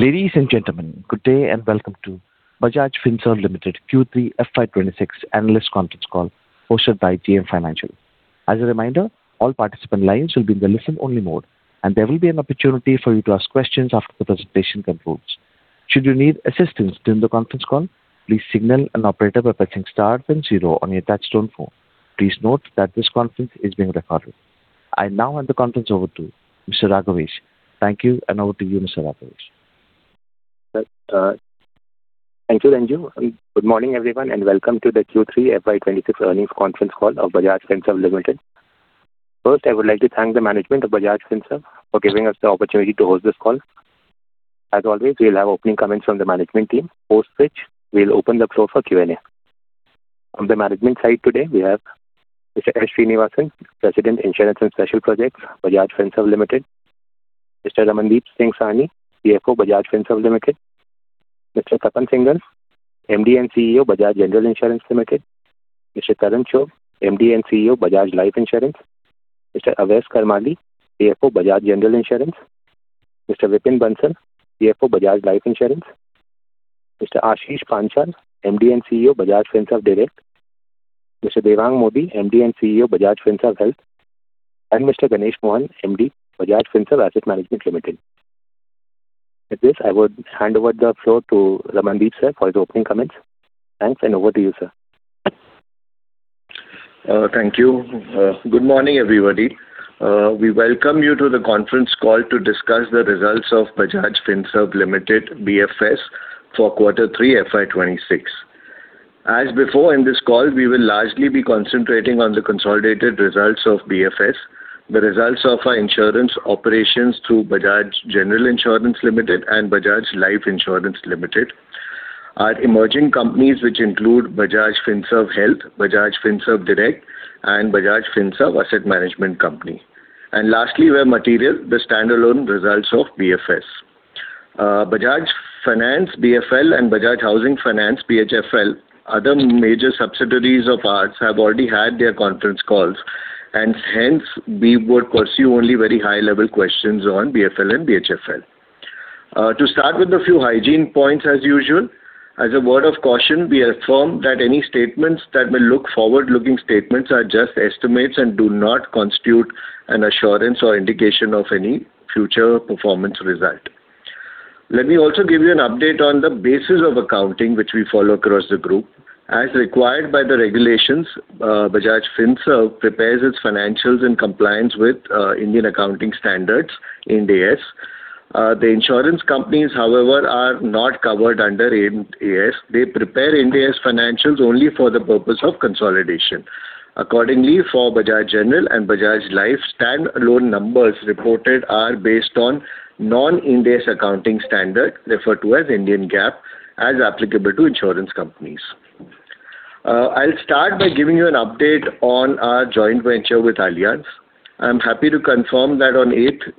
Ladies and gentlemen, good day and welcome to Bajaj Finserv Limited Q3 FY 2026 Analyst Conference Call hosted by JM Financial. As a reminder, all participant lines will be in the listen-only mode, and there will be an opportunity for you to ask questions after the presentation concludes. Should you need assistance during the conference call, please signal an operator by pressing star then zero on your touch-tone phone. Please note that this conference is being recorded. I now hand the conference over to Mr. Raghavesh. Thank you, and over to you, Mr. Raghavesh. Thank you, Renju. Good morning, everyone, and welcome to the Q3 FY 2026 Earnings Conference Call of Bajaj Finserv Limited. First, I would like to thank the management of Bajaj Finserv for giving us the opportunity to host this call. As always, we'll have opening comments from the management team, post which we'll open the floor for Q&A. From the management side today, we have Mr. S. Sreenivasan, President, Insurance and Special Projects, Bajaj Finserv Limited; Mr. Ramandeep Singh Sahni, CFO, Bajaj Finserv Limited; Mr. Tapan Singhel, MD and CEO, Bajaj General Insurance Limited; Mr. Tarun Chugh, MD and CEO, Bajaj Life Insurance; Mr. Avesh Karmali, CFO, Bajaj General Insurance; Mr. Vipin Bansal, CFO, Bajaj Life Insurance; Mr. Ashish Panchal, MD and CEO, Bajaj Finserv Direct; Mr. Devang Mody, MD and CEO, Bajaj Finserv Health; and Mr. Ganesh Mohan, MD, Bajaj Finserv Asset Management Limited. With this, I would hand over the floor to Ramandeep, sir, for his opening comments. Thanks, and over to you, sir. Thank you. Good morning, everybody. We welcome you to the conference call to discuss the results of Bajaj Finserv Limited, BFS, for Quarter three FY 2026. As before, in this call, we will largely be concentrating on the consolidated results of BFS, the results of our insurance operations through Bajaj General Insurance Limited and Bajaj Life Insurance Limited, our emerging companies which include Bajaj Finserv Health, Bajaj Finserv Direct, and Bajaj Finserv Asset Management Company. And lastly, we have material, the standalone results of BFS. Bajaj Finance, BFL, and Bajaj Housing Finance, BHFL, other major subsidiaries of ours, have already had their conference calls, and hence we would pursue only very high-level questions on BFL and BHFL. To start with a few hygiene points, as usual, as a word of caution, we affirm that any statements that may look forward-looking statements are just estimates and do not constitute an assurance or indication of any future performance result. Let me also give you an update on the basis of accounting which we follow across the group. As required by the regulations, Bajaj Finserv prepares its financials in compliance with Indian Accounting Standards, Ind AS. The insurance companies, however, are not covered under Ind AS. They prepare Ind AS financials only for the purpose of consolidation. Accordingly, for Bajaj General and Bajaj Life, standalone numbers reported are based on non-Ind AS accounting standard, referred to as Indian GAAP, as applicable to insurance companies. I'll start by giving you an update on our joint venture with Allianz. I'm happy to confirm that on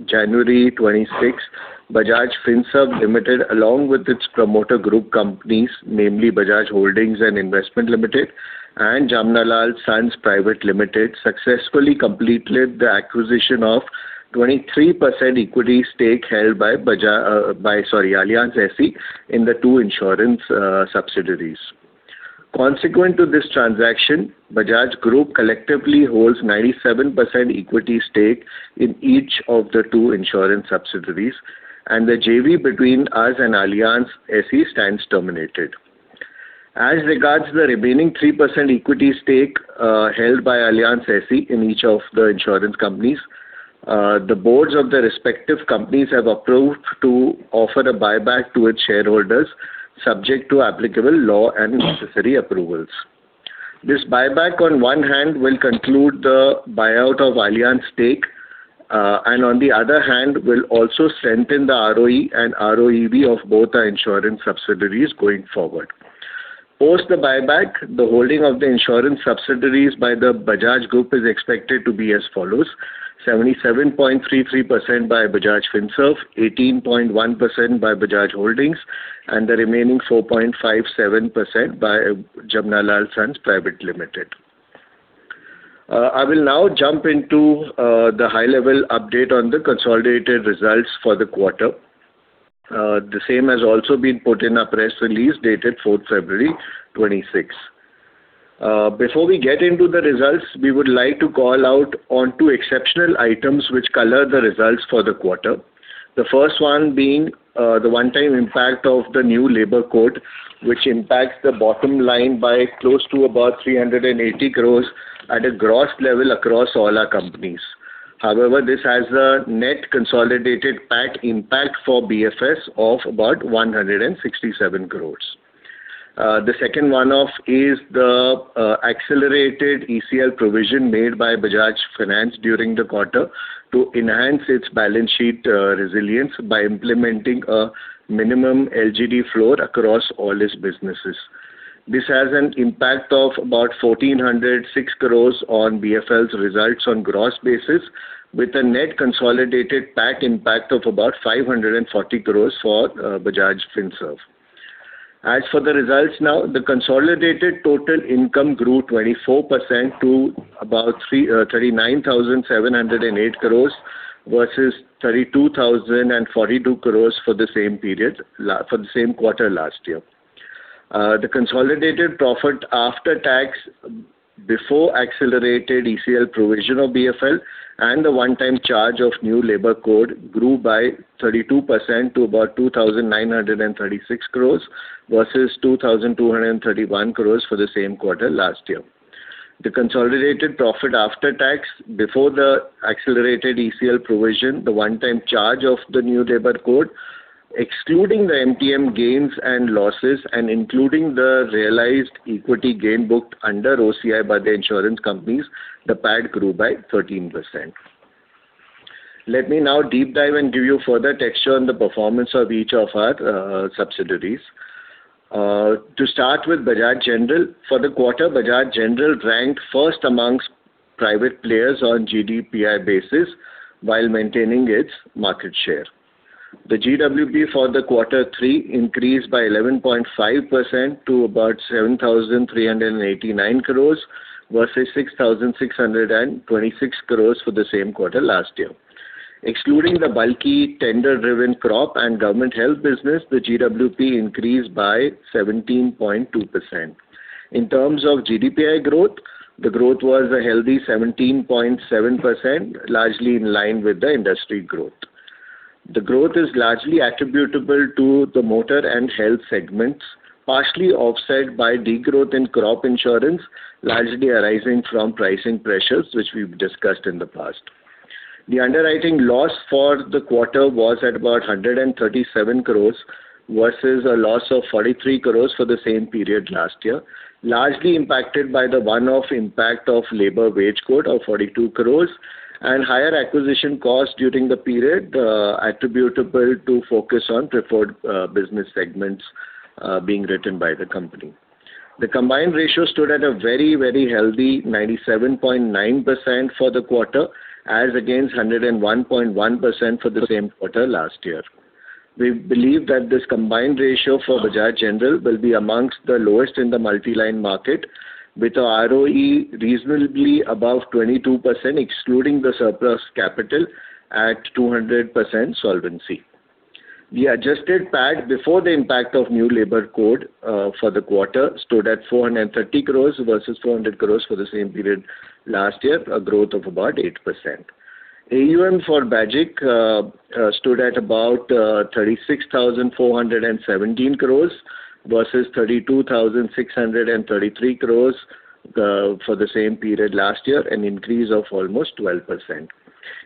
January 8th 2026, Bajaj Finserv Limited, along with its promoter group companies, namely Bajaj Holdings and Investment Limited, and Jamnalal Sons Private Limited, successfully completed the acquisition of 23% equity stake held by Allianz SE in the two insurance subsidiaries. Consequent to this transaction, Bajaj Group collectively holds 97% equity stake in each of the two insurance subsidiaries, and the JV between us and Allianz SE stands terminated. As regards the remaining 3% equity stake held by Allianz SE in each of the insurance companies, the boards of the respective companies have approved to offer a buyback to its shareholders, subject to applicable law and necessary approvals. This buyback, on one hand, will conclude the buyout of Allianz stake, and on the other hand, will also strengthen the ROE and ROEV of both the insurance subsidiaries going forward. Post the buyback, the holding of the insurance subsidiaries by the Bajaj Group is expected to be as follows: 77.33% by Bajaj Finserv, 18.1% by Bajaj Holdings, and the remaining 4.57% by Jamnalal Sons Private Limited. I will now jump into the high-level update on the consolidated results for the quarter, the same has also been put in a press release dated February 4th 2026. Before we get into the results, we would like to call out on two exceptional items which color the results for the quarter. The first one being the one-time impact of the new labor code, which impacts the bottom line by close to about 380 crore at a gross level across all our companies. However, this has a net consolidated PAT impact for BFS of about 167 crore. The second one is the accelerated ECL provision made by Bajaj Finance during the quarter to enhance its balance sheet resilience by implementing a minimum LGD floor across all its businesses. This has an impact of about 1,406 crores on BFL's results on a gross basis, with a net consolidated PAT impact of about 540 crores for Bajaj Finserv. As for the results now, the consolidated total income grew 24% to about 39,708 crores versus 32,042 crores for the same period, for the same quarter last year. The consolidated profit after tax before accelerated ECL provision of BFL and the one-time charge of new labor code grew by 32% to about 2,936 crores versus 2,231 crores for the same quarter last year. The consolidated profit after tax before the accelerated ECL provision, the one-time charge of the new labor code, excluding the MTM gains and losses and including the realized equity gain booked under OCI by the insurance companies, the PAT grew by 13%. Let me now deep dive and give you further texture on the performance of each of our subsidiaries. To start with Bajaj General, for the quarter, Bajaj General ranked first amongst private players on GDPI basis while maintaining its market share. The GWP for the quarter three increased by 11.5% to about 7,389 crore versus 6,626 crore for the same quarter last year. Excluding the bulky tender-driven crop and government health business, the GWP increased by 17.2%. In terms of GDPI growth, the growth was a healthy 17.7%, largely in line with the industry growth. The growth is largely attributable to the motor and health segments, partially offset by degrowth in crop insurance, largely arising from pricing pressures, which we've discussed in the past. The underwriting loss for the quarter was at about 137 crore versus a loss of 43 crore for the same period last year, largely impacted by the one-off impact of labor wage code of 42 crore and higher acquisition costs during the period attributable to focus on preferred business segments being written by the company. The combined ratio stood at a very, very healthy 97.9% for the quarter as against 101.1% for the same quarter last year. We believe that this combined ratio for Bajaj General will be among the lowest in the multiline market, with the ROE reasonably above 22%, excluding the surplus capital at 200% solvency. The adjusted PAT before the impact of new labor code for the quarter stood at 430 crore versus 400 crore for the same period last year, a growth of about 8%. AUM for Bajaj stood at about 36,417 crore versus 32,633 crore for the same period last year, an increase of almost 12%.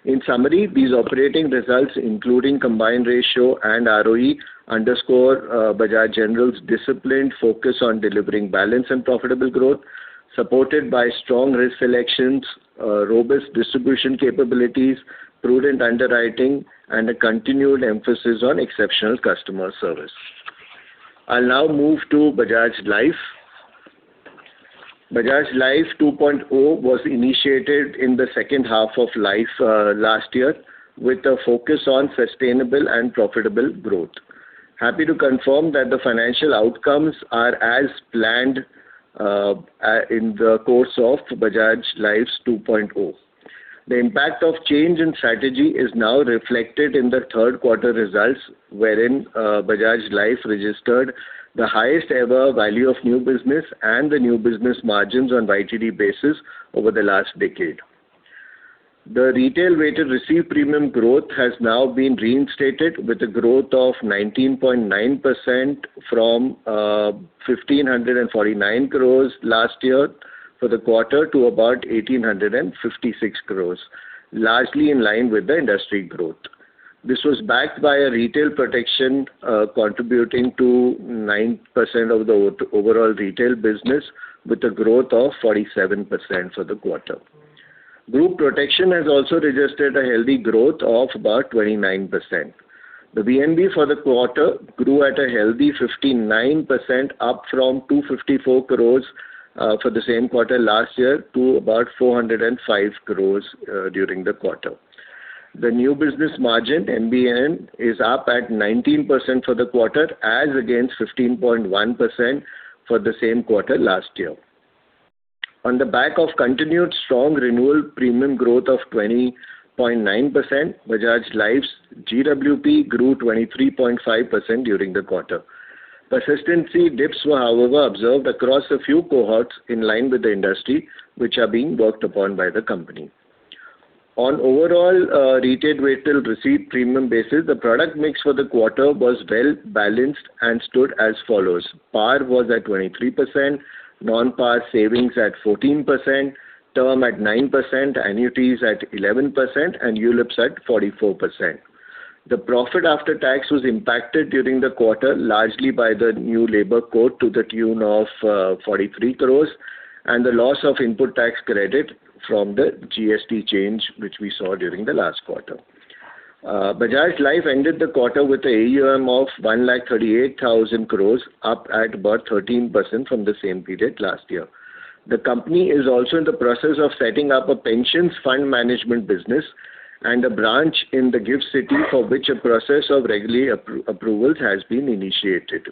In summary, these operating results, including combined ratio and ROE, underscore Bajaj General's disciplined focus on delivering balance and profitable growth, supported by strong risk selections, robust distribution capabilities, prudent underwriting, and a continued emphasis on exceptional customer service. I'll now move to Bajaj Life. Bajaj Life 2.0 was initiated in the second half of FY last year with a focus on sustainable and profitable growth. Happy to confirm that the financial outcomes are as planned in the course of Bajaj Life's 2.0. The impact of change in strategy is now reflected in the third quarter results, wherein Bajaj Life registered the highest-ever value of new business and the new business margins on YTD basis over the last decade. The retail-weighted receipt premium growth has now been reinstated with a growth of 19.9% from 1,549 crore last year for the quarter to about 1,856 crore, largely in line with the industry growth. This was backed by a retail protection contributing to 9% of the overall retail business, with a growth of 47% for the quarter. Group protection has also registered a healthy growth of about 29%. The VNB for the quarter grew at a healthy 59%, up from 254 crore for the same quarter last year to about 405 crore during the quarter. The new business margin, NBM, is up at 19% for the quarter as against 15.1% for the same quarter last year. On the back of continued strong renewal premium growth of 20.9%, Bajaj Life's GWP grew 23.5% during the quarter. Persistency dips, however, observed across a few cohorts in line with the industry, which are being worked upon by the company. On overall retail-weighted receipt premium basis, the product mix for the quarter was well balanced and stood as follows: PAR was at 23%, non-PAR savings at 14%, term at 9%, annuities at 11%, and ULIPs at 44%. The profit after tax was impacted during the quarter largely by the new labor code to the tune of 43 crore and the loss of input tax credit from the GST change, which we saw during the last quarter. Bajaj Life ended the quarter with an AUM of 138,000 crore, up at about 13% from the same period last year. The company is also in the process of setting up a pensions fund management business and a branch in the GIFT City for which a process of regulatory approvals has been initiated.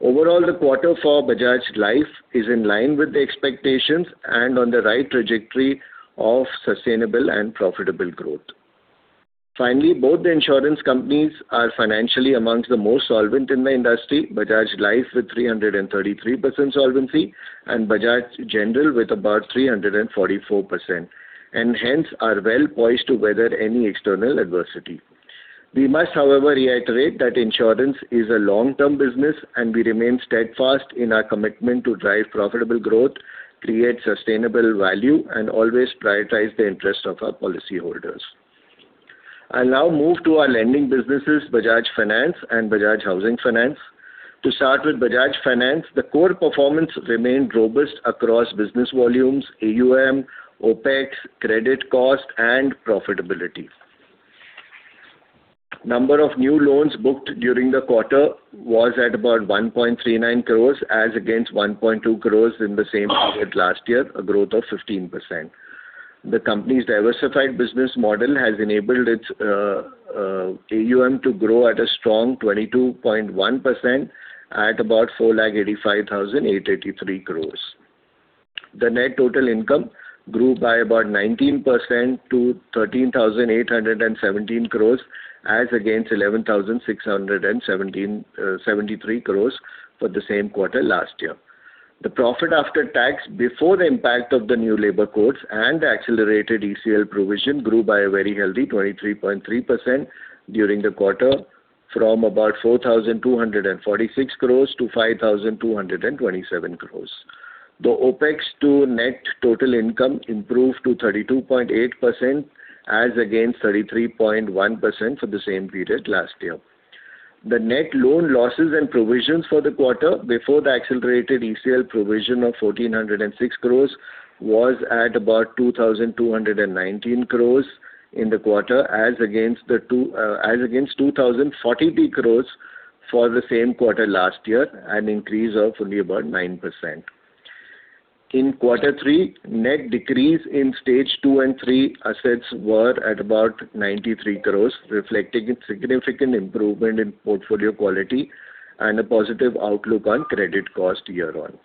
Overall, the quarter for Bajaj Life is in line with the expectations and on the right trajectory of sustainable and profitable growth. Finally, both the insurance companies are financially amongst the most solvent in the industry, Bajaj Life with 333% solvency and Bajaj General with about 344%, and hence are well poised to weather any external adversity. We must, however, reiterate that insurance is a long-term business, and we remain steadfast in our commitment to drive profitable growth, create sustainable value, and always prioritize the interests of our policyholders. I'll now move to our lending businesses, Bajaj Finance and Bajaj Housing Finance. To start with Bajaj Finance, the core performance remained robust across business volumes, AUM, OpEx, credit cost, and profitability. Number of new loans booked during the quarter was at about 1.39 crores as against 1.2 crores in the same period last year, a growth of 15%. The company's diversified business model has enabled its AUM to grow at a strong 22.1% at about 485,883 crores. The net total income grew by about 19% to 13,817 crores as against 11,673 crores for the same quarter last year. The profit after tax before the impact of the new labor codes and the accelerated ECL provision grew by a very healthy 23.3% during the quarter, from about 4,246 crores to 5,227 crores. The OpEx to net total income improved to 32.8% as against 33.1% for the same period last year. The net loan losses and provisions for the quarter before the accelerated ECL provision of 1,406 crore was at about 2,219 crore in the quarter as against the two as against 2,043 crore for the same quarter last year, an increase of only about 9%. In quarter three, net decrease in stage two and three assets were at about 93 crore, reflecting a significant improvement in portfolio quality and a positive outlook on credit cost year-on.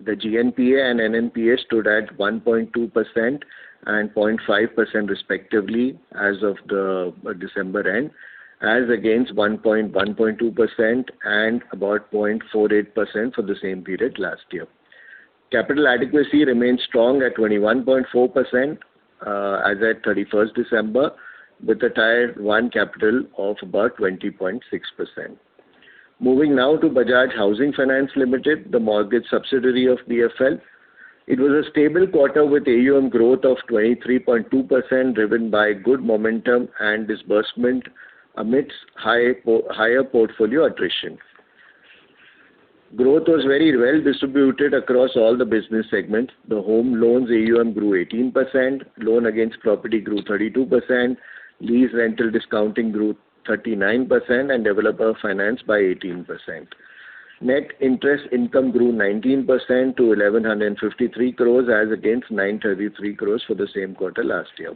The GNPA and NNPA stood at 1.2% and 0.5% respectively as of December end, as against 1.1%, 1.2%, and about 0.48% for the same period last year. Capital adequacy remained strong at 21.4% as of 31st December, with a Tier 1 capital of about 20.6%. Moving now to Bajaj Housing Finance Limited, the mortgage subsidiary of BFL. It was a stable quarter with AUM growth of 23.2%, driven by good momentum and disbursement amidst higher portfolio attrition. Growth was very well distributed across all the business segments. The home loans AUM grew 18%, loan against property grew 32%, lease rental discounting grew 39%, and developer finance by 18%. Net interest income grew 19% to 1,153 crores as against 933 crores for the same quarter last year.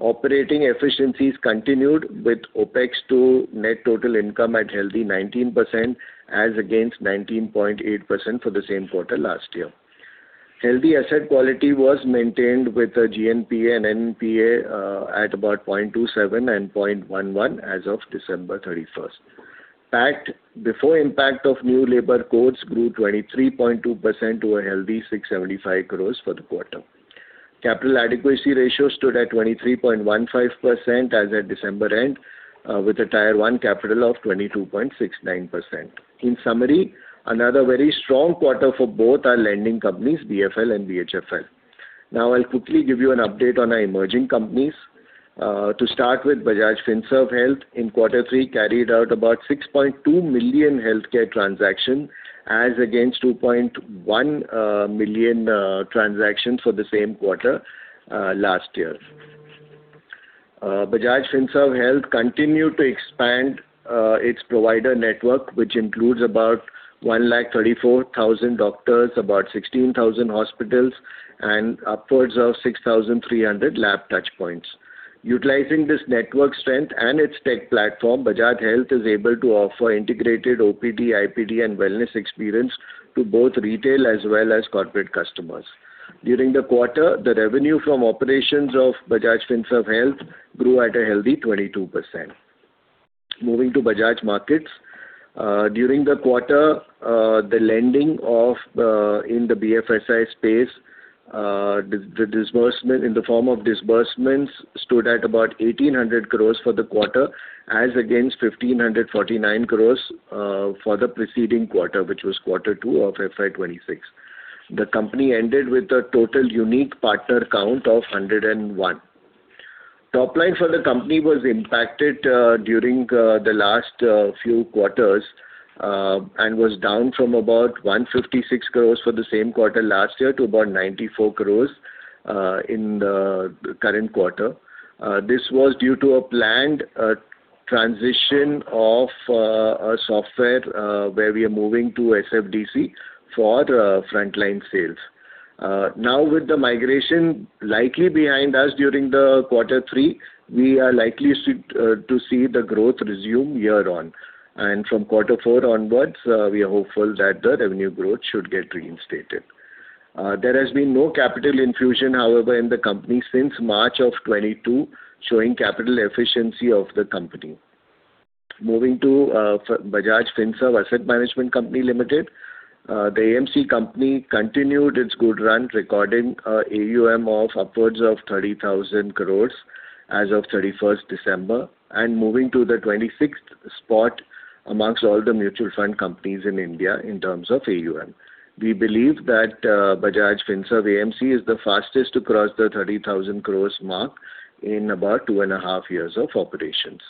Operating efficiencies continued with OPEX to net total income at healthy 19% as against 19.8% for the same quarter last year. Healthy asset quality was maintained with the GNPA and NNPA at about 0.27 and 0.11 as of December 31st. PAT before impact of new labor codes grew 23.2% to a healthy 675 crores for the quarter. Capital adequacy ratio stood at 23.15% as of December end, with a tier one capital of 22.69%. In summary, another very strong quarter for both our lending companies, BFL and BHFL. Now I'll quickly give you an update on our emerging companies. To start with, Bajaj Finserv Health in quarter three carried out about 6.2 million healthcare transactions as against 2.1 million transactions for the same quarter last year. Bajaj Finserv Health continued to expand its provider network, which includes about 134,000 doctors, about 16,000 hospitals, and upwards of 6,300 lab touchpoints. Utilizing this network strength and its tech platform, Bajaj Health is able to offer integrated OPD, IPD, and wellness experience to both retail as well as corporate customers. During the quarter, the revenue from operations of Bajaj Finserv Health grew at a healthy 22%. Moving to Bajaj Markets. During the quarter, the lending in the BFSI space, the disbursement in the form of disbursements stood at about 1,800 crore for the quarter as against 1,549 crore for the preceding quarter, which was quarter two of FY 2026. The company ended with a total unique partner count of 101. Top line for the company was impacted during the last few quarters and was down from about 156 crore for the same quarter last year to about 94 crore in the current quarter. This was due to a planned transition of software where we are moving to SFDC for frontline sales. Now, with the migration likely behind us during quarter three, we are likely to see the growth resume year-on. From quarter four onwards, we are hopeful that the revenue growth should get reinstated. There has been no capital infusion, however, in the company since March of 2022, showing capital efficiency of the company. Moving to Bajaj Finserv Asset Management Company Limited. The AMC company continued its good run, recording an AUM of upwards of 30,000 crore as of December 31st and moving to the 26th spot amongst all the mutual fund companies in India in terms of AUM. We believe that Bajaj Finserv AMC is the fastest to cross the 30,000 crore mark in about two and a half years of operations.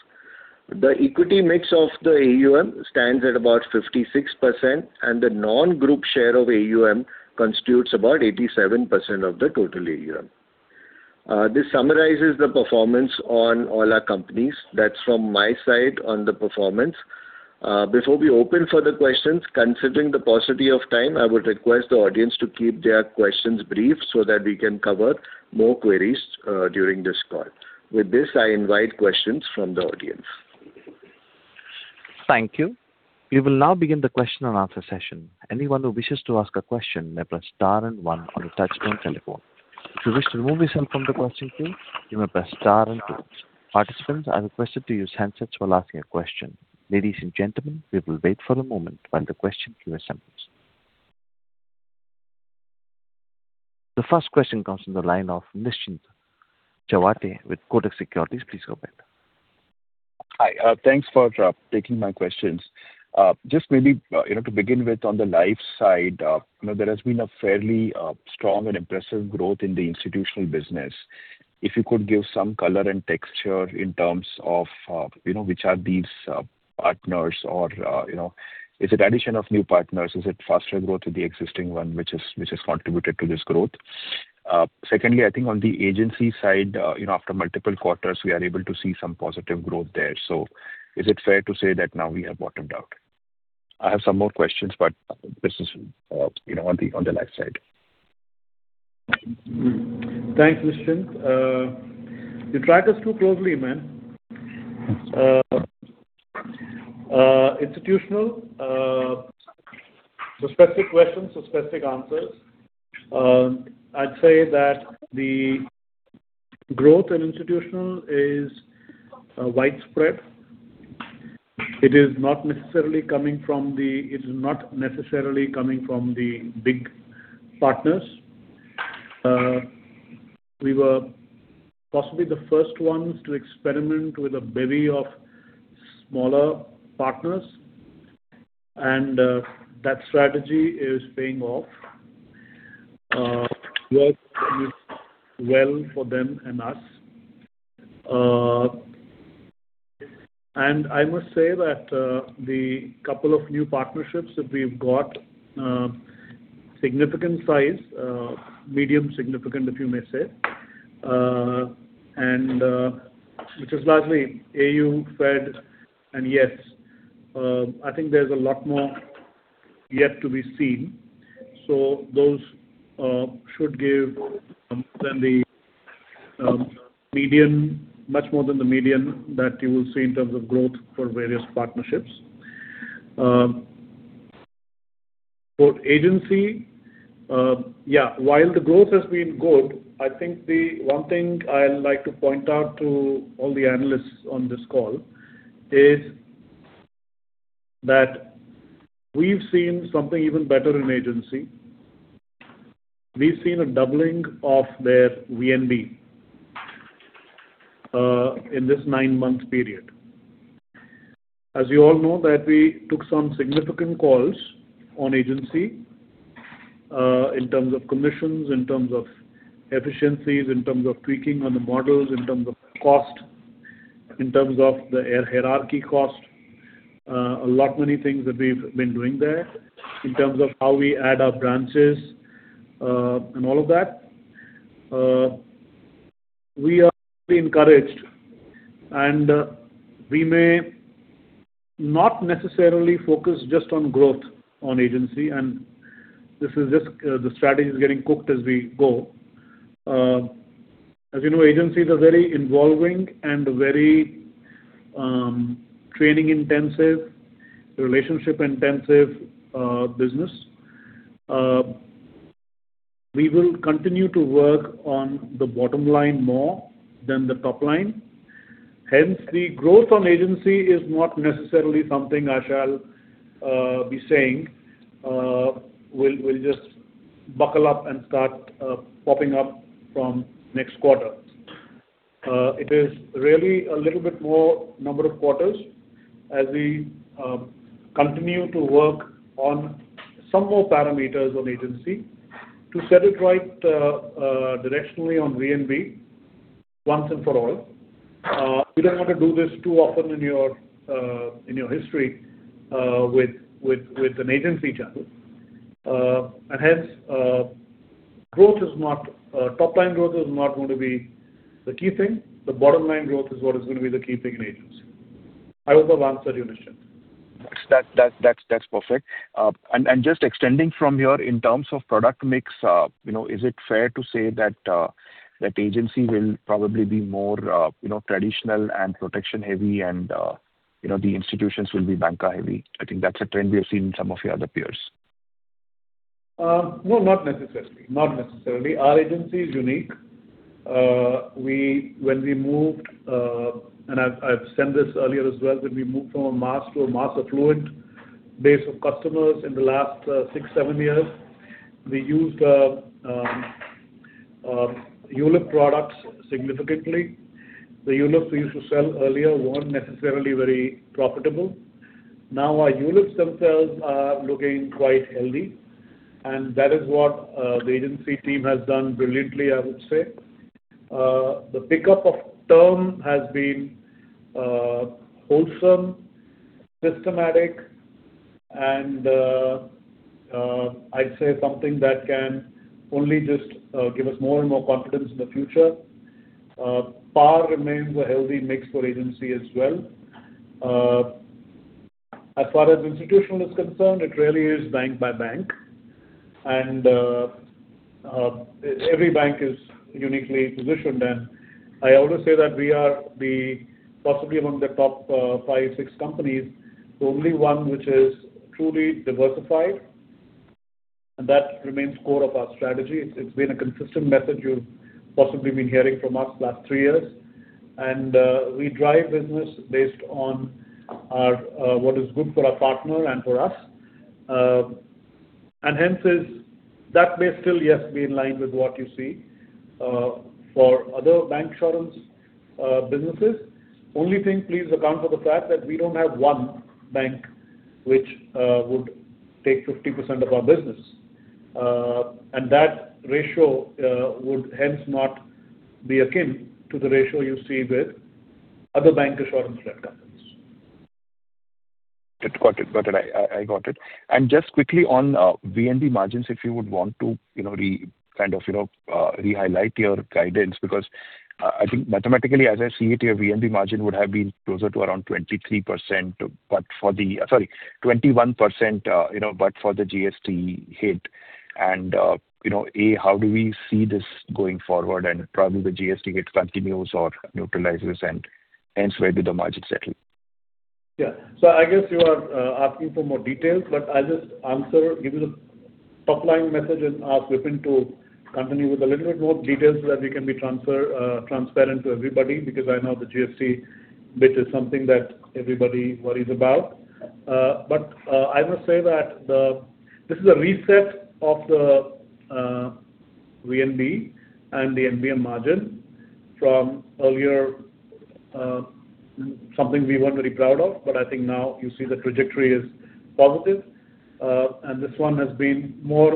The equity mix of the AUM stands at about 56%, and the non-group share of AUM constitutes about 87% of the total AUM. This summarizes the performance on all our companies. That's from my side on the performance. Before we open for the questions, considering the paucity of time, I would request the audience to keep their questions brief so that we can cover more queries during this call. With this, I invite questions from the audience. Thank you. We will now begin the question and answer session. Anyone who wishes to ask a question may press star and one on the touchscreen telephone. If you wish to remove yourself from the question queue, you may press star and two. Participants are requested to use handsets while asking a question. Ladies and gentlemen, we will wait for a moment while the question queue assembles. The first question comes from the line of Nischint Chawathe with Kotak Securities. Please go ahead. Hi. Thanks for taking my questions. Just maybe to begin with, on the life side, there has been a fairly strong and impressive growth in the institutional business. If you could give some color and texture in terms of which are these partners, or is it addition of new partners? Is it faster growth with the existing one, which has contributed to this growth? Secondly, I think on the agency side, after multiple quarters, we are able to see some positive growth there. So is it fair to say that now we have bottomed out? I have some more questions, but this is on the life side. Thanks, Nishint. You track us too closely, man. Institutional, suspected questions, suspected answers. I'd say that the growth in institutional is widespread. It is not necessarily coming from the big partners. We were possibly the first ones to experiment with a bevy of smaller partners, and that strategy is paying off. Works well for them and us. And I must say that the couple of new partnerships that we've got significant size, medium significant, if you may say, which is largely AU, Fed. And yes, I think there's a lot more yet to be seen. So those should give much more than the median that you will see in terms of growth for various partnerships. For agency, yeah, while the growth has been good, I think one thing I'd like to point out to all the analysts on this call is that we've seen something even better in agency. We've seen a doubling of their VNB in this nine-month period. As you all know, we took some significant calls on agency in terms of commissions, in terms of efficiencies, in terms of tweaking on the models, in terms of cost, in terms of the hierarchy cost, a lot many things that we've been doing there in terms of how we add our branches and all of that. We are encouraged. We may not necessarily focus just on growth on agency. This is just the strategy is getting cooked as we go. As you know, agencies are very involving and very training-intensive, relationship-intensive business. We will continue to work on the bottom line more than the top line. Hence, the growth on agency is not necessarily something I shall be saying will just buckle up and start popping up from next quarter. It is really a little bit more number of quarters as we continue to work on some more parameters on agency to set it right directionally on VNB once and for all. You don't want to do this too often in your history with an agency channel. And hence, growth is not; top line growth is not going to be the key thing. The bottom line growth is what is going to be the key thing in agency. I hope I've answered you, Nishint. That's perfect. And just extending from here in terms of product mix, is it fair to say that agency will probably be more traditional and protection-heavy, and the institutions will be banker-heavy? I think that's a trend we have seen in some of your other peers. No, not necessarily. Not necessarily. Our agency is unique. When we moved and I've said this earlier as well, when we moved from a mass to a mass-affluent base of customers in the last six to seven years, we used ULIP products significantly. The ULIPs we used to sell earlier weren't necessarily very profitable. Now our ULIPs themselves are looking quite healthy. And that is what the agency team has done brilliantly, I would say. The pickup of term has been wholesome, systematic, and I'd say something that can only just give us more and more confidence in the future. PAR remains a healthy mix for agency as well. As far as institutional is concerned, it really is bank by bank. And every bank is uniquely positioned. And I always say that we are possibly among the top five to six companies, the only one which is truly diversified. And that remains core of our strategy. It's been a consistent method you've possibly been hearing from us last three years. We drive business based on what is good for our partner and for us. Hence, that may still, yes, be in line with what you see for other bancassurance businesses. Only thing, please account for the fact that we don't have one bank which would take 50% of our business. That ratio would hence not be akin to the ratio you see with other bancassurance-led companies. Got it. Got it. I got it. Just quickly on VNB margins, if you would want to kind of re-highlight your guidance because I think mathematically, as I see it here, VNB margin would have been closer to around 23% but for the sorry, 21% but for the GST hit. A, how do we see this going forward? And probably the GST hit continues or neutralizes, and hence, where did the margin settle? Yeah. So I guess you are asking for more details, but I'll just give you the top line message and ask Vipin to continue with a little bit more details so that we can be transparent to everybody because I know the GST bit is something that everybody worries about. But I must say that this is a reset of the VNB and the NBM margin from earlier, something we weren't very proud of. But I think now you see the trajectory is positive. And this one has been more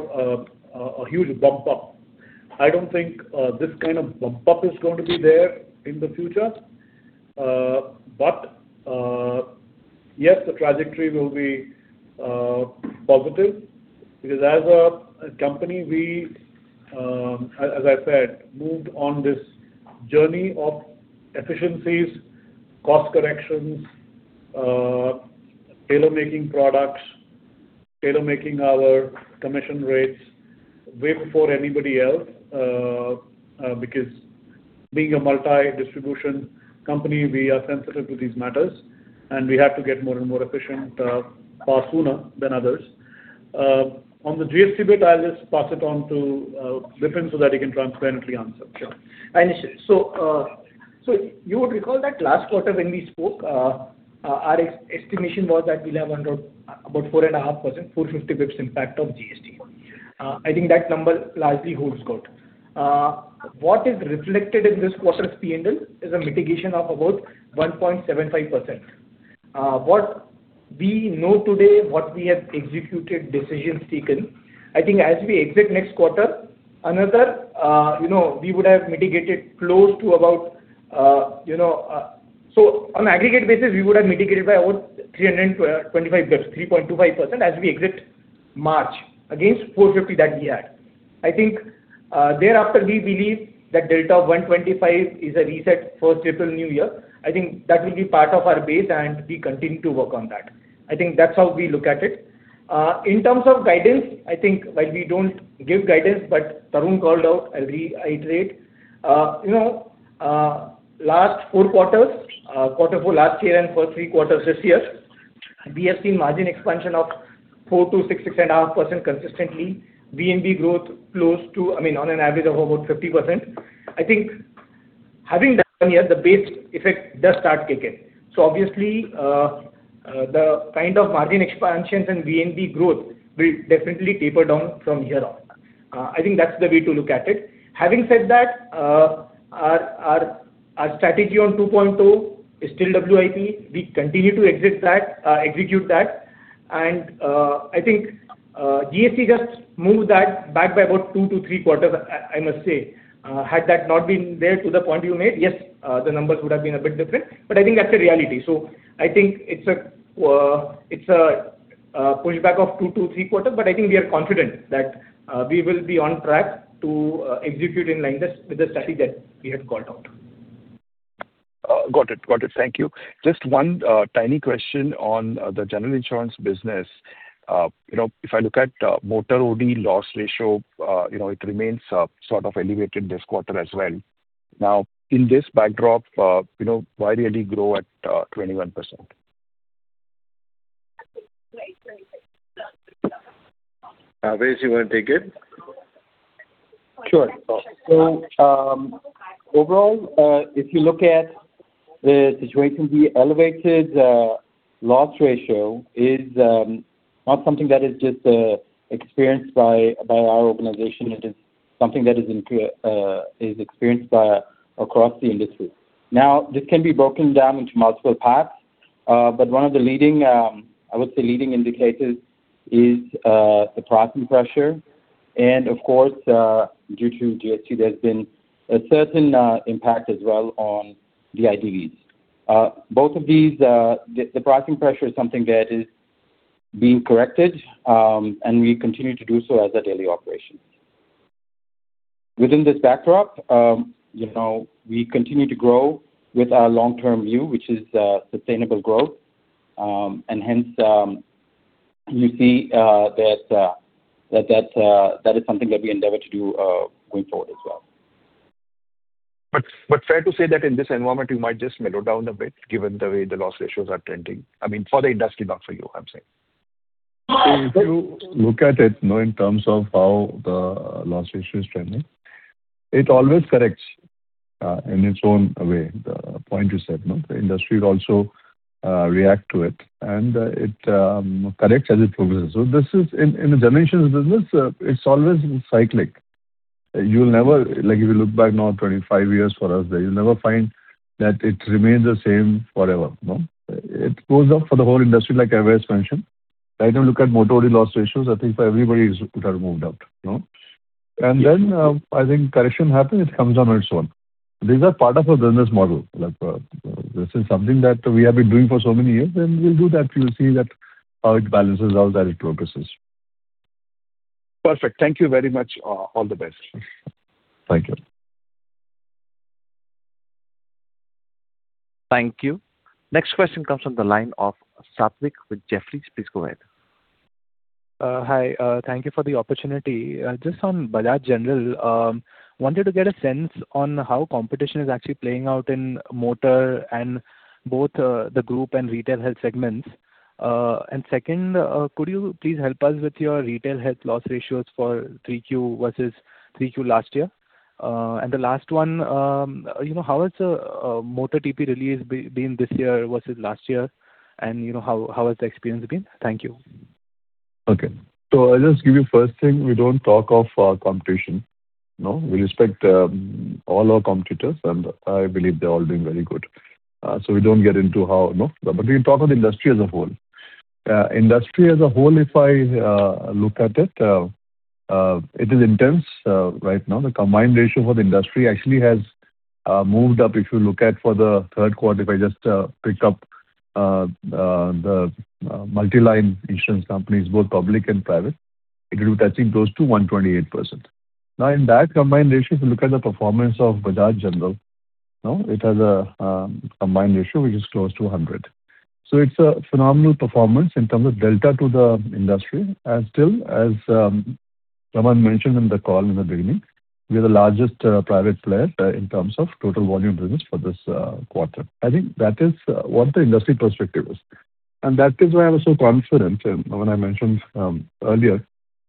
a huge bump-up. I don't think this kind of bump-up is going to be there in the future. But yes, the trajectory will be positive because as a company, as I said, moved on this journey of efficiencies, cost corrections, tailor-making products, tailor-making our commission rates way before anybody else because being a multi-distribution company, we are sensitive to these matters. We have to get more and more efficient far sooner than others. On the GST bit, I'll just pass it on to Vipin so that he can transparently answer. Sure. So you would recall that last quarter when we spoke, our estimation was that we'll have about 4.5%, 450 basis points impact of GST. I think that number largely holds good. What is reflected in this quarter's P&L is a mitigation of about 1.75%. What we know today, what we have executed, decisions taken, I think as we exit next quarter, another we would have mitigated close to about so on aggregate basis, we would have mitigated by about 325 basis points, 3.25% as we exit March against 450 that we had. I think thereafter, we believe that delta of 125 is a reset first April new year. I think that will be part of our base, and we continue to work on that. I think that's how we look at it. In terms of guidance, I think while we don't give guidance, but Tarun called out, I'll reiterate, last four quarters, quarter four last year and first three quarters this year, we have seen margin expansion of 4%-6%, 6.5% consistently, VNB growth close to I mean, on an average of about 50%. I think having that one year, the base effect does start kicking. So obviously, the kind of margin expansions and VNB growth will definitely taper down from here on. I think that's the way to look at it. Having said that, our strategy on 2.0 is still WIP. We continue to execute that. And I think GST just moved that back by about two to three quarters, I must say. Had that not been there to the point you made, yes, the numbers would have been a bit different. But I think that's a reality. So I think it's a pushback of two to three quarters, but I think we are confident that we will be on track to execute in line with the strategy that we had called out. Got it. Got it. Thank you. Just one tiny question on the general insurance business. If I look at motor OD loss ratio, it remains sort of elevated this quarter as well. Now, in this backdrop, why really grow at 21%? Raise, you want to take it? Sure. So overall, if you look at the situation, the elevated loss ratio is not something that is just experienced by our organization. It is something that is experienced across the industry. Now, this can be broken down into multiple paths. But one of the leading, I would say, leading indicators is the pricing pressure. And of course, due to GST, there's been a certain impact as well on the IDVs. Both of these, the pricing pressure is something that is being corrected, and we continue to do so as a daily operation. Within this backdrop, we continue to grow with our long-term view, which is sustainable growth. And hence, you see that that is something that we endeavor to do going forward as well. But fair to say that in this environment, you might just mellow down a bit given the way the loss ratios are trending? I mean, for the industry, not for you, I'm saying. If you look at it in terms of how the loss ratio is trending, it always corrects in its own way, the point you said. The industry also reacts to it, and it corrects as it progresses. So in a general insurance business, it's always cyclic. If you look back now, 25 years for us there, you'll never find that it remains the same forever. It goes up for the whole industry, like I've always mentioned. I don't look at motor OD loss ratios. I think for everybody, it would have moved up. And then I think correction happens. It comes on its own. These are part of a business model. This is something that we have been doing for so many years. And we'll do that. You'll see how it balances out as it progresses. Perfect. Thank you very much. All the best. Thank you. Thank you. Next question comes from the line of Satvik with Jefferies. Please go ahead. Hi. Thank you for the opportunity. Just on Bajaj General, wanted to get a sense on how competition is actually playing out in motor and both the group and retail health segments. And second, could you please help us with your retail health loss ratios for 3Q versus 3Q last year? And the last one, how has a motor TP release been this year versus last year? And how has the experience been? Thank you. Okay. So I'll just give you first thing. We don't talk of competition. We respect all our competitors, and I believe they're all doing very good. So we don't get into how, but we can talk of the industry as a whole. Industry as a whole, if I look at it, it is intense right now. The combined ratio for the industry actually has moved up. If you look at for the third quarter, if I just pick up the multi-line insurance companies, both public and private, it will be touching close to 128%. Now, in that combined ratio, if you look at the performance of Bajaj General, it has a combined ratio which is close to 100. So it's a phenomenal performance in terms of delta to the industry. And still, as Raman mentioned in the call in the beginning, we are the largest private player in terms of total volume business for this quarter. I think that is what the industry perspective is. And that is why I was so confident when I mentioned earlier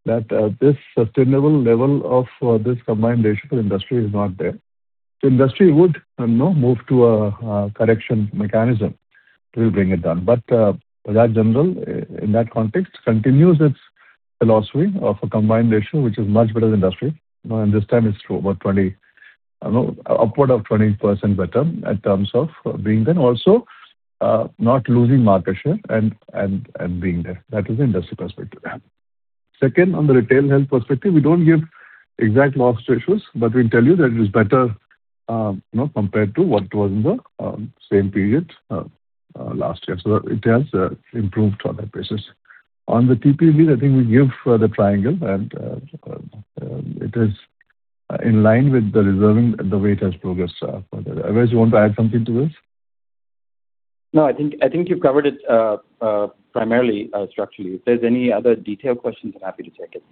that this sustainable level of this combined ratio for industry is not there. The industry would move to a correction mechanism to bring it down. But Bajaj General, in that context, continues its philosophy of a combined ratio which is much better than industry. And this time, it's about upward of 20% better in terms of being there, and also not losing market share and being there. That is the industry perspective. Second, on the retail health perspective, we don't give exact loss ratios, but we can tell you that it is better compared to what it was in the same period last year. So it has improved on that basis. On the TP release, I think we give the triangle, and it is in line with the way it has progressed further. Otherwise, you want to add something to this? No. I think you've covered it primarily structurally. If there's any other detailed questions, I'm happy to take it.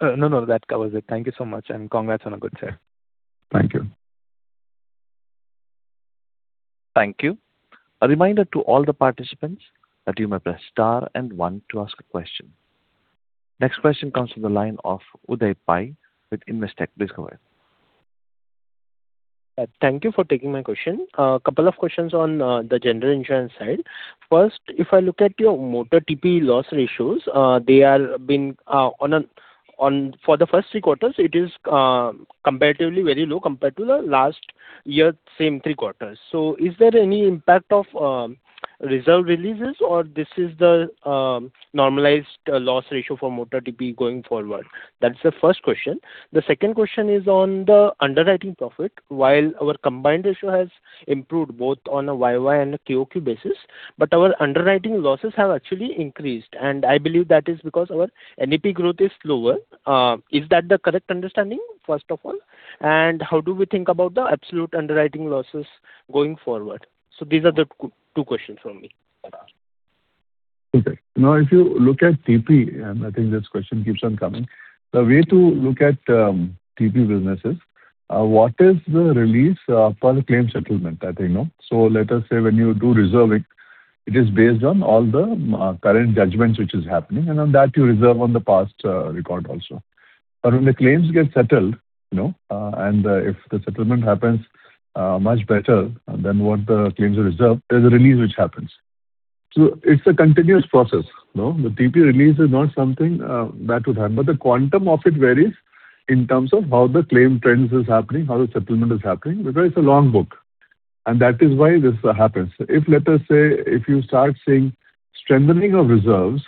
No, no. That covers it. Thank you so much. And congrats on a good set. Thank you. Thank you. A reminder to all the participants that you may press star and one to ask a question. Next question comes from the line of Uday Pai with Investec. Please go ahead. Thank you for taking my question. A couple of questions on the general insurance side. First, if I look at your motor TP loss ratios, they have been on for the first three quarters, it is comparatively very low compared to the last year, same three quarters. So is there any impact of reserve releases, or this is the normalized loss ratio for motor TP going forward? That's the first question. The second question is on the underwriting profit. While our combined ratio has improved both on a YY and a QQ basis, but our underwriting losses have actually increased. And I believe that is because our NEP growth is slower. Is that the correct understanding, first of all? And how do we think about the absolute underwriting losses going forward? So these are the two questions from me. Okay. Now, if you look at TP and I think this question keeps on coming, the way to look at TP businesses, what is the release per claim settlement, I think? So let us say when you do reserving, it is based on all the current judgments which is happening, and on that, you reserve on the past record also. But when the claims get settled, and if the settlement happens much better than what the claims are reserved, there's a release which happens. So it's a continuous process. The TP release is not something that would happen. But the quantum of it varies in terms of how the claim trends is happening, how the settlement is happening because it's a long book. And that is why this happens. Let us say if you start seeing strengthening of reserves,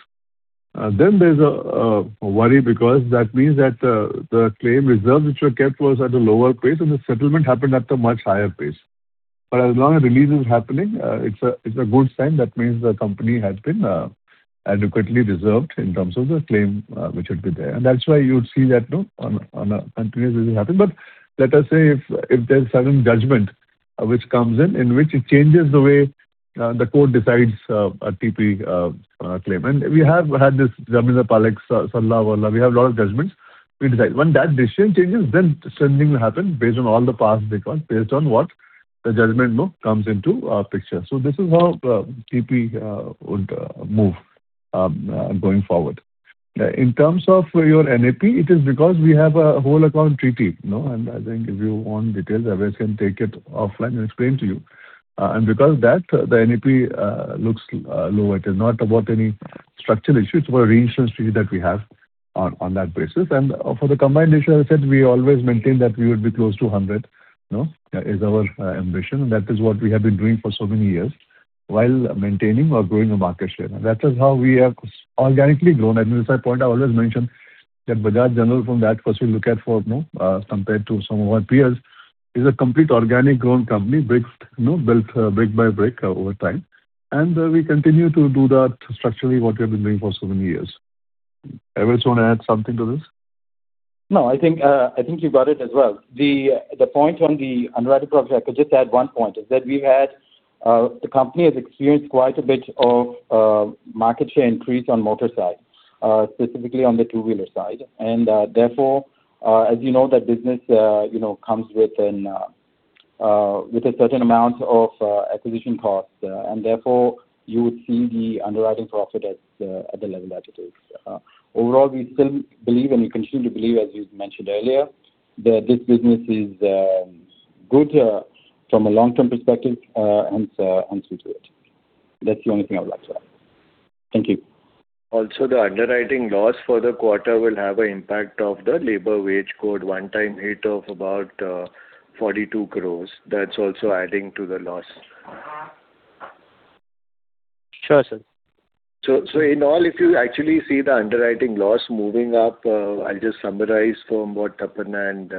then there's a worry because that means that the claim reserves which were kept were at a lower pace, and the settlement happened at a much higher pace. But as long as release is happening, it's a good sign. That means the company had been adequately reserved in terms of the claim which had been there. That's why you would see that on a continuous basis happening. Let us say if there's sudden judgment which comes in in which it changes the way the court decides a TP claim. We have had this Jamnalal case law. We have a lot of judgments. We decide. When that decision changes, then strengthening will happen based on all the past recalls, based on what the judgment comes into picture. This is how TP would move going forward. In terms of your NEP, it is because we have a whole account treaty. I think if you want details, I can take it offline and explain to you. Because of that, the NEP looks lower. It is not about any structural issue. It's about reinsurance treaty that we have on that basis. And for the combined ratio, as I said, we always maintain that we would be close to 100 is our ambition. And that is what we have been doing for so many years while maintaining or growing our market share. And that is how we have organically grown. And at this point, I always mention that Bajaj General, from that, first we look at compared to some of our peers, is a complete organic grown company, built brick by brick over time. And we continue to do that structurally, what we have been doing for so many years. Otherwise, you want to add something to this? No. I think you got it as well. The point on the underwriting profit, I could just add one point, is that the company has experienced quite a bit of market share increase on motor side, specifically on the two-wheeler side. And therefore, as you know, that business comes with a certain amount of acquisition costs. And therefore, you would see the underwriting profit at the level that it is. Overall, we still believe and we continue to believe, as you mentioned earlier, that this business is good from a long-term perspective. Hence, we do it. That's the only thing I would like to add. Thank you. Also, the underwriting loss for the quarter will have an impact of the labor wage code one-time hit of about 42 crore. That's also adding to the loss. Sure, sir. So in all, if you actually see the underwriting loss moving up, I'll just summarize from what Tapan and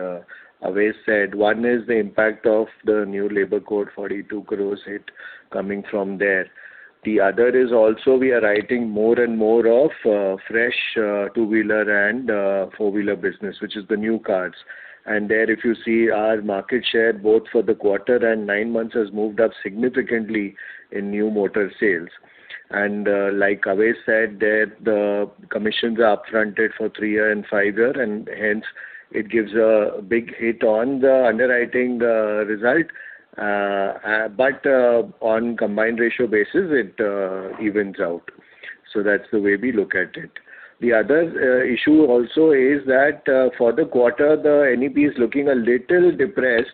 Avesh said. One is the impact of the new labor code. 42 crore hit coming from there. The other is also we are writing more and more of fresh two-wheeler and four-wheeler business, which is the new cars. There, if you see our market share both for the quarter and nine months has moved up significantly in new motor sales. Like Avesh said, the commissions are upfronted for three-year and five-year. Hence, it gives a big hit on the underwriting result. But on Combined Ratio basis, it evens out. That's the way we look at it. The other issue also is that for the quarter, the NEP is looking a little depressed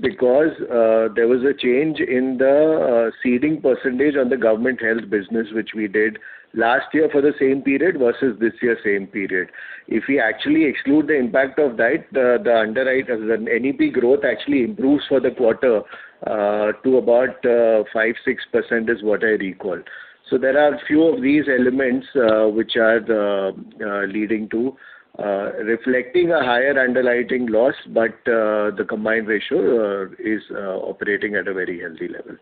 because there was a change in the ceding percentage on the government health business, which we did last year for the same period versus this year, same period. If we actually exclude the impact of that, the underwriting NEP growth actually improves for the quarter to about 5%-6% is what I recall. So there are a few of these elements which are leading to reflecting a higher underwriting loss, but the Combined Ratio is operating at a very healthy level.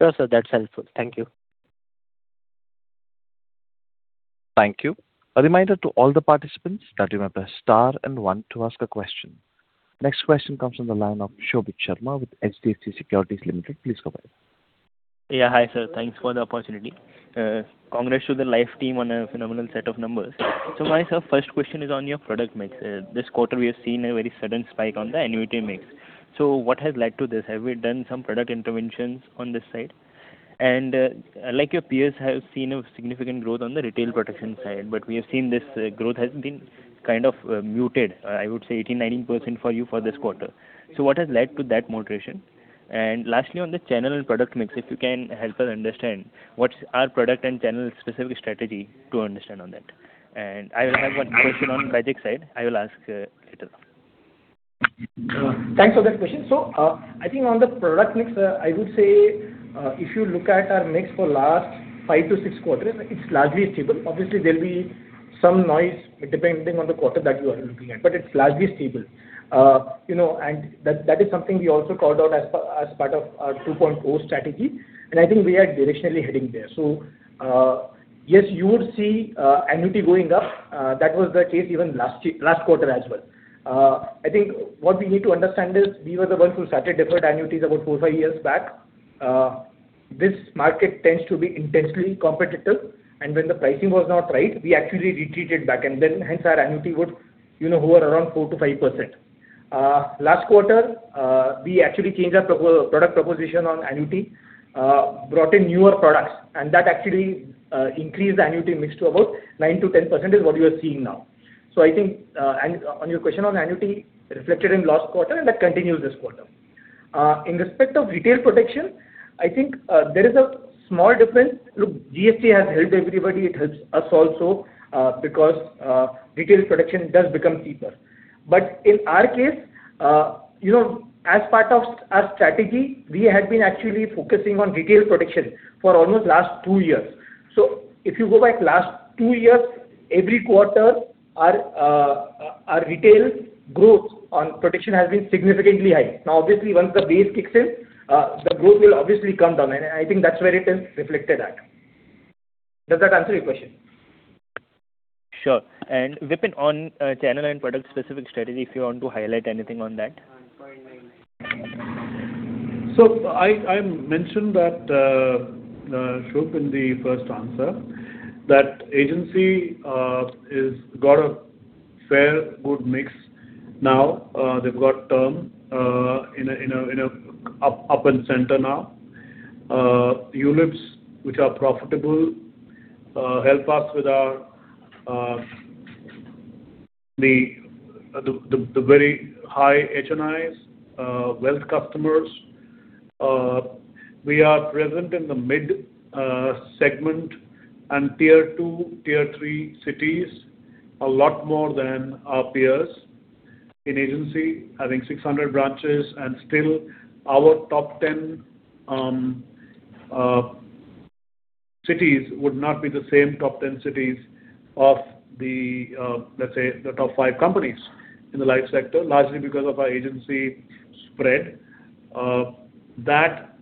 Sure, sir. That's helpful. Thank you. Thank you. A reminder to all the participants that you may press star and one to ask a question. Next question comes from the line of Shobhit Sharma with HDFC Securities Limited. Please go ahead. Yeah. Hi, sir. Thanks for the opportunity. Congrats to the life team on a phenomenal set of numbers. So myself, first question is on your product mix. This quarter, we have seen a very sudden spike on the annuity mix. So what has led to this? Have we done some product interventions on this side? Like your peers have seen a significant growth on the retail protection side, but we have seen this growth has been kind of muted, I would say, 18%-19% for you for this quarter. So what has led to that moderation? And lastly, on the channel and product mix, if you can help us understand, what's our product and channel-specific strategy to understand on that? And I will have one question on Bajaj side. I will ask later. Thanks for that question. So I think on the product mix, I would say if you look at our mix for last 5-6 quarters, it's largely stable. Obviously, there'll be some noise depending on the quarter that you are looking at, but it's largely stable. And that is something we also called out as part of our 2.0 strategy. And I think we are directionally heading there. So yes, you would see annuity going up. That was the case even last quarter as well. I think what we need to understand is we were the ones who started deferred annuities about four to five years back. This market tends to be intensely competitive. And when the pricing was not right, we actually retreated back. And then hence, our annuity would hover around 4%-5%. Last quarter, we actually changed our product proposition on annuity, brought in newer products. And that actually increased the annuity mix to about 9%-10% is what you are seeing now. So I think on your question on annuity reflected in last quarter, and that continues this quarter. In respect of retail protection, I think there is a small difference. Look, GST has helped everybody. It helps us also because retail protection does become cheaper. But in our case, as part of our strategy, we had been actually focusing on retail protection for almost last two years. So if you go back last two years, every quarter, our retail growth on protection has been significantly high. Now, obviously, once the base kicks in, the growth will obviously come down. And I think that's where it has reflected at. Does that answer your question? Sure. And Vipin on channel and product-specific strategy, if you want to highlight anything on that? So I mentioned that, Shobh, in the first answer, that agency has got a fairly good mix now. They've got term front and center now. ULIPs, which are profitable, help us with the very high HNIs, wealth customers. We are present in the mid-segment and tier two, tier three cities a lot more than our peers in agency, having 600 branches. Still, our top 10 cities would not be the same top 10 cities of, let's say, the top five companies in the life sector, largely because of our agency spread. That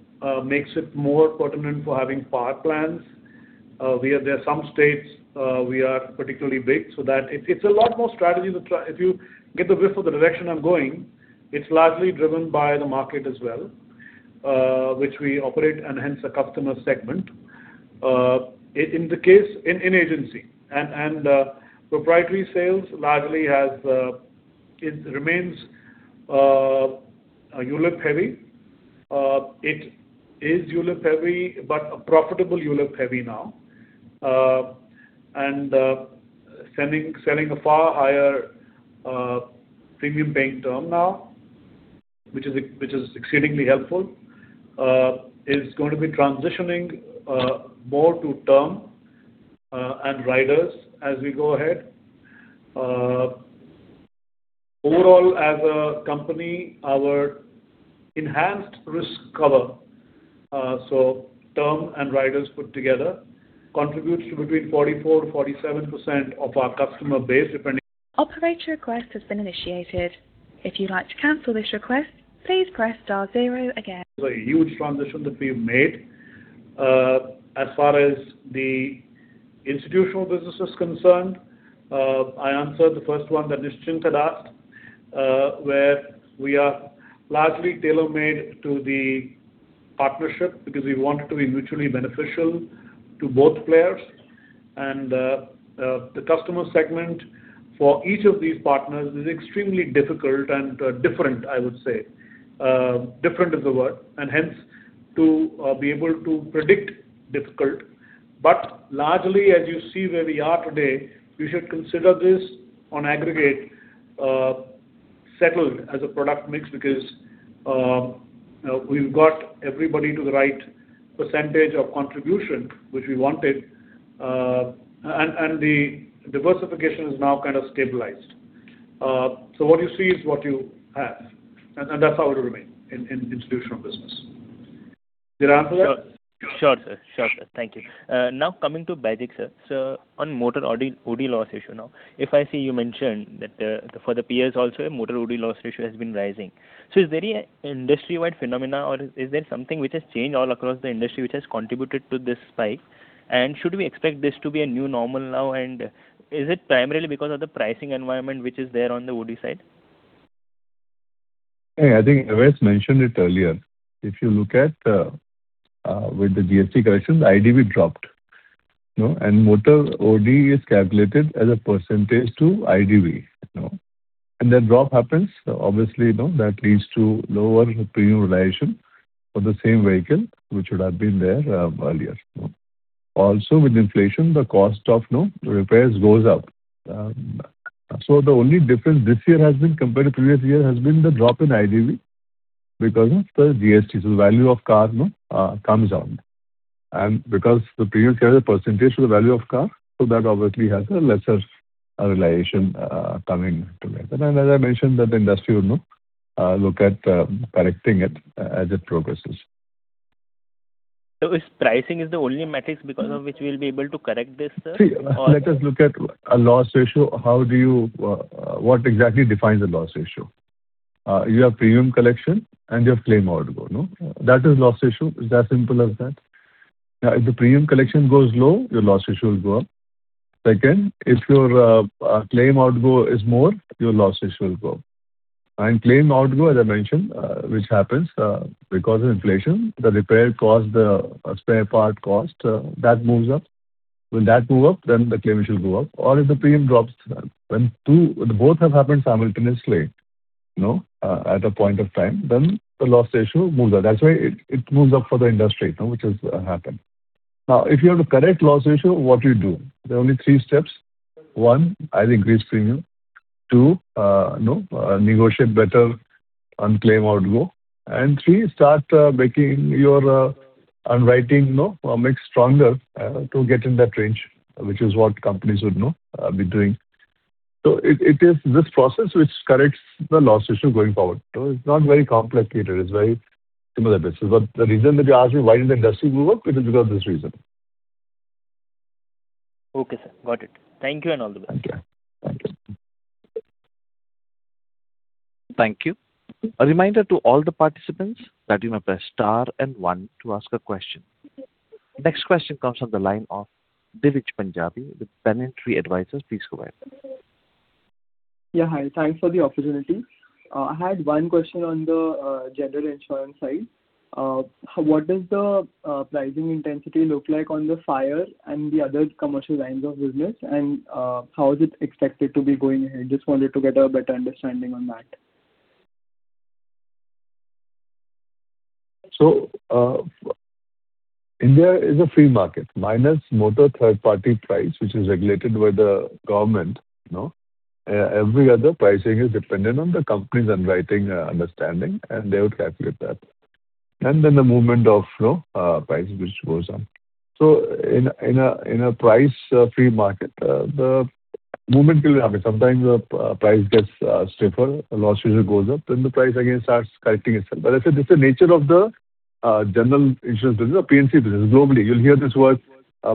makes it more pertinent for having power plants. There are some states we are particularly big. So it's a lot more strategy. If you get the whiff of the direction I'm going, it's largely driven by the market as well, which we operate and hence a customer segment in agency. And proprietary sales largely remains ULIP-heavy. It is ULIP-heavy but a profitable ULIP-heavy now and selling a far higher premium paying term now, which is exceedingly helpful, is going to be transitioning more to term and riders as we go ahead. Overall, as a company, our enhanced risk cover, so term and riders put together, contributes to between 44%-47% of our customer base depending. Operator request has been initiated. If you'd like to cancel this request, please press star zero again. It's a huge transition that we've made. As far as the institutional business is concerned, I answered the first one that Nishchink had asked, where we are largely tailor-made to the partnership because we want it to be mutually beneficial to both players. The customer segment for each of these partners is extremely difficult and different, I would say. Different is the word. Hence, to be able to predict. Difficult. But largely, as you see where we are today, you should consider this on aggregate settled as a product mix because we've got everybody to the right percentage of contribution, which we wanted. The diversification is now kind of stabilized. So what you see is what you have. That's how it will remain in institutional business. Did I answer that? Sure, sir. Sure, sir. Thank you. Now, coming to Bajaj, sir, so on motor OD loss issue now, if I see you mentioned that for the peers also, motor OD loss ratio has been rising. So is there an industry-wide phenomenon, or is there something which has changed all across the industry which has contributed to this spike? And should we expect this to be a new normal now? And is it primarily because of the pricing environment which is there on the OD side? Hey, I think Ashish mentioned it earlier. If you look at with the GST corrections, IDV dropped. And motor OD is calculated as a percentage to IDV. And that drop happens. Obviously, that leads to lower premium realization for the same vehicle, which would have been there earlier. Also, with inflation, the cost of repairs goes up. So the only difference this year has been compared to previous year has been the drop in IDV because of the GST. So the value of car comes down. And because the premium is a percentage to the value of car, so that obviously has a lesser realization coming together. And as I mentioned, that the industry would look at correcting it as it progresses. So if pricing is the only metrics because of which we'll be able to correct this, sir? See, let us look at a loss ratio. What exactly defines a loss ratio? You have premium collection, and you have claim outgo. That is loss ratio. It's that simple as that. If the premium collection goes low, your loss ratio will go up. Second, if your claim outgo is more, your loss ratio will go up. Claim outgo, as I mentioned, which happens because of inflation, the repair cost, the spare part cost, that moves up. When that moves up, then the claim ratio will go up. Or if the premium drops, when both have happened simultaneously at a point of time, then the loss ratio moves up. That's why it moves up for the industry, which has happened. Now, if you have to correct loss ratio, what do you do? There are only three steps. One, either increase premium. Two, negotiate better on claim outgo. And three, start making your underwriting mix stronger to get in that range, which is what companies would be doing. So it is this process which corrects the loss ratio going forward. So it's not very complicated. It's very similar basis. But the reason that you asked me why did the industry move up, it is because of this reason. Okay, sir. Got it. Thank you and all the best. Thank you. Thank you. Thank you. A reminder to all the participants that you may press star and one to ask a question. Next question comes from the line of Divij Punjabi with Banyan Tree Advisors. Please go ahead. Yeah. Hi. Thanks for the opportunity. I had one question on the general insurance side. What does the pricing intensity look like on the fire and the other commercial lines of business, and how is it expected to be going ahead? Just wanted to get a better understanding on that. So India is a free market minus motor third-party price, which is regulated by the government. Every other pricing is dependent on the company's underwriting understanding, and they would calculate that. And then the movement of price, which goes on. So in a price-free market, the movement will be happening. Sometimes the price gets stiffer. Loss ratio goes up, then the price again starts correcting itself. But as I said, this is the nature of the general insurance business, the P&C business globally. You'll hear this word: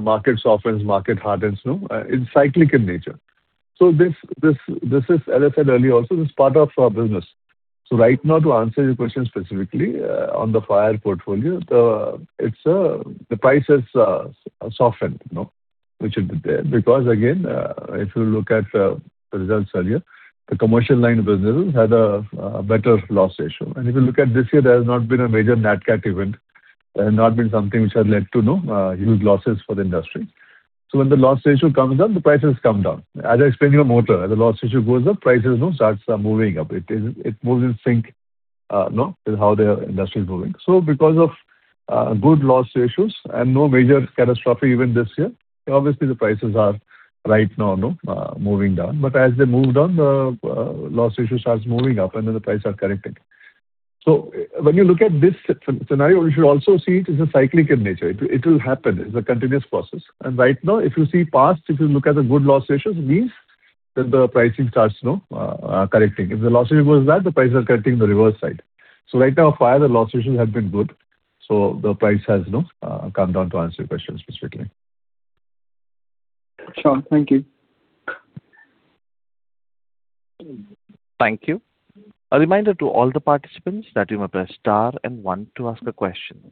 market softens, market hardens. It's cyclical in nature. So this is, as I said earlier also, this is part of our business. So right now, to answer your question specifically on the Fire portfolio, the price has softened, which it did there because, again, if you look at the results earlier, the commercial line of businesses had a better loss ratio. And if you look at this year, there has not been a major NATCAT event. There has not been something which has led to huge losses for the industries. So when the loss ratio comes down, the prices come down. As I explained to you on motor, as the loss ratio goes up, prices start moving up. It moves in sync with how the industry is moving. So because of good loss ratios and no major catastrophe even this year, obviously, the prices are right now moving down. But as they move down, the loss ratio starts moving up, and then the prices are correcting. So when you look at this scenario, you should also see it is cyclical in nature. It will happen. It's a continuous process. And right now, if you see past, if you look at the good loss ratios, it means that the pricing starts correcting. If the loss ratio goes that, the prices are correcting the reverse side. So right now, fire, the loss ratios have been good. So the price has come down to answer your question specifically. Sure. Thank you. Thank you. A reminder to all the participants that you may press star and one to ask a question.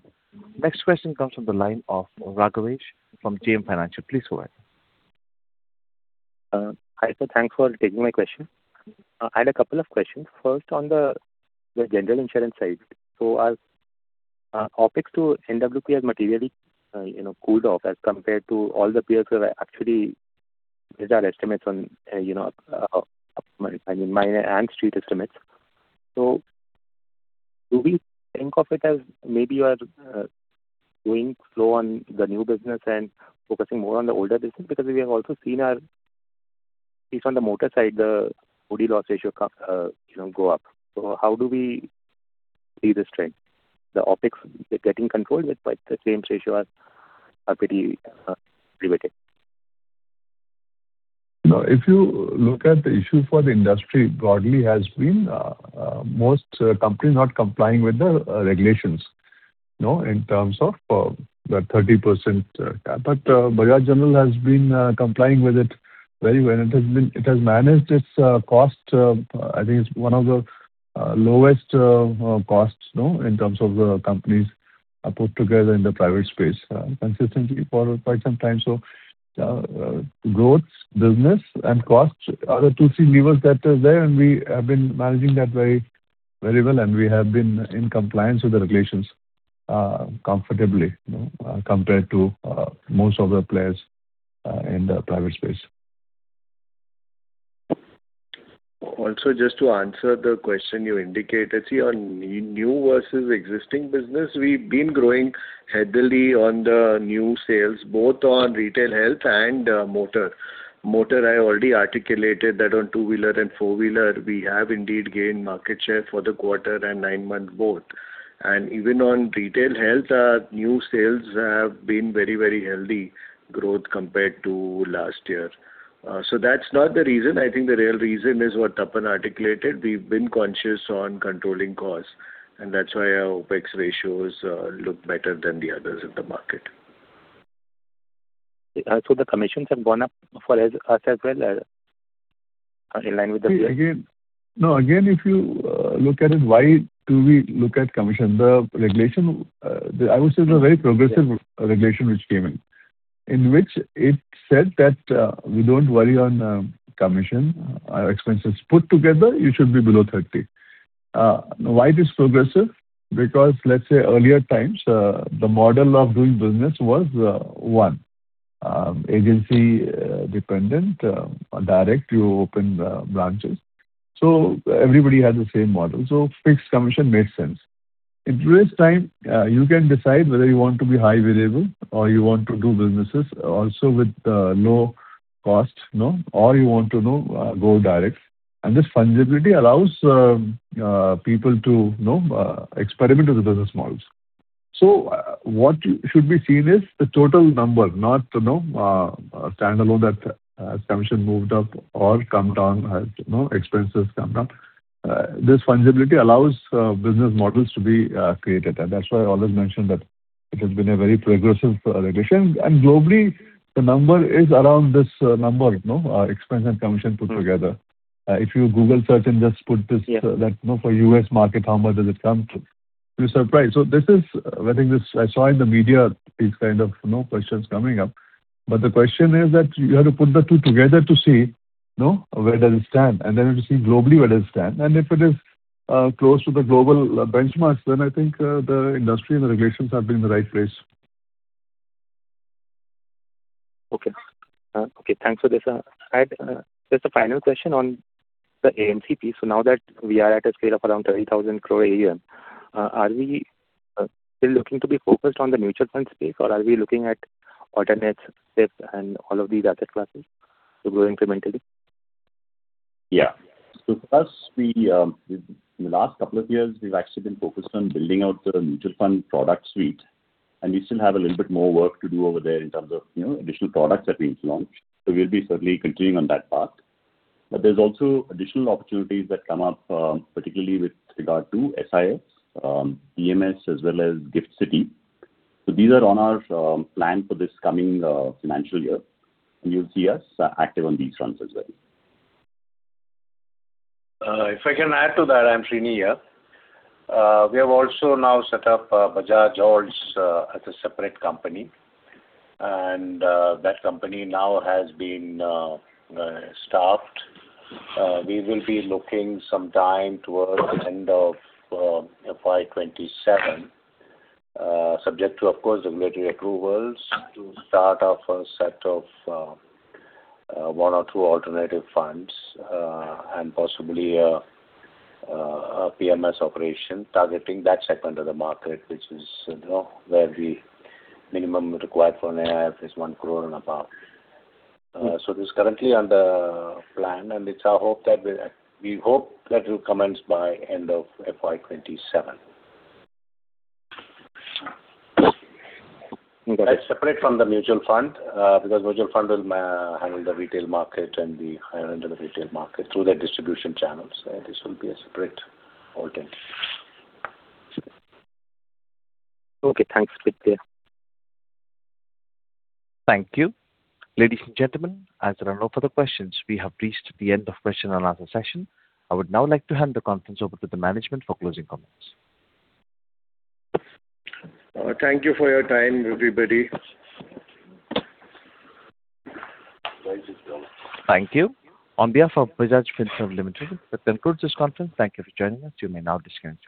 Next question comes from the line of Raghavesh from JM Financial. Please go ahead. Hi, sir. Thanks for taking my question. I had a couple of questions. First, on the general insurance side, so are OPEX to NWP have materially cooled off as compared to all the peers who have actually made our estimates on, I mean, mine and Street estimates? So do we think of it as maybe you are going slow on the new business and focusing more on the older business because we have also seen OD, at least on the motor side, the OD loss ratio go up? So how do we see this trend? The OpEx, they're getting controlled, but the claims ratio are pretty primitive. Now, if you look at the issue for the industry broadly, it has been most companies not complying with the regulations in terms of the 30% cap. But Bajaj General has been complying with it very well. It has managed its cost. I think it's one of the lowest costs in terms of the companies put together in the private space consistently for quite some time. So growth, business, and cost are the two, three levers that are there, and we have been managing that very well. And we have been in compliance with the regulations comfortably compared to most of the players in the private space. Also, just to answer the question you indicated, see, on new versus existing business, we've been growing heavily on the new sales, both on retail health and motor. Motor, I already articulated that on two-wheeler and four-wheeler, we have indeed gained market share for the quarter and nine months both. Even on retail health, our new sales have been very, very healthy growth compared to last year. That's not the reason. I think the real reason is what Tarun articulated. We've been conscious on controlling costs. That's why our OpEx ratios look better than the others in the market. So the commissions have gone up for us as well in line with the peers? No, again, if you look at it, why do we look at commission? The regulation, I would say, is a very progressive regulation which came in, in which it said that we don't worry on commission. Our expenses put together, you should be below 30. Why it is progressive? Because, let's say, earlier times, the model of doing business was one, agency-dependent, direct. You open branches. So everybody had the same model. So fixed commission made sense. In today's time, you can decide whether you want to be high variable or you want to do businesses also with low cost, or you want to go direct. And this fungibility allows people to experiment with the business models. So what should be seen is the total number, not standalone that commission moved up or come down, expenses come down. This fungibility allows business models to be created. And that's why I always mentioned that it has been a very progressive regulation. And globally, the number is around this number, expense and commission put together. If you Google search and just put that for U.S. market, how much does it come to, you're surprised. So I think I saw in the media these kind of questions coming up. But the question is that you have to put the two together to see where does it stand, and then to see globally where does it stand. And if it is close to the global benchmarks, then I think the industry and the regulations have been in the right place. Okay. Okay. Thanks for this, sir. Just a final question on the AMC. So now that we are at a scale of around 30,000 crore AUM, are we still looking to be focused on the mutual fund space, or are we looking at alternates SIF and all of these asset classes to grow incrementally? Yeah. So for us, in the last couple of years, we've actually been focused on building out the mutual fund product suite. We still have a little bit more work to do over there in terms of additional products that we've launched. So we'll be certainly continuing on that path. But there's also additional opportunities that come up, particularly with regard to SIS, PMS, as well as GIFT City. So these are on our plan for this coming financial year. And you'll see us active on these runs as well. If I can add to that, I'm S. Sreenivasan. We have also now set up Bajaj Finserv AMC as a separate company. And that company now has been staffed. We will be looking some time towards the end of FY 2027, subject to, of course, regulatory approvals, to start off a set of one or two alternative funds and possibly a PMS operation targeting that segment of the market, which is where the minimum required for an AIF is 1 crore and above. So it's currently on the plan. And it's our hope that we hope that it will come in by end of FY 2027. That's separate from the mutual fund because the mutual fund will handle the retail market and the higher end of the retail market through their distribution channels. This will be a separate alternative. Okay. Thanks, Prateek. Thank you. Ladies and gentlemen, as a run-over for the questions, we have reached the end of question-and-answer session. I would now like to hand the conference over to the management for closing comments. Thank you for your time, everybody. Thank you. On behalf of Bajaj Finserv Limited, that concludes this conference. Thank you for joining us. You may now disconnect.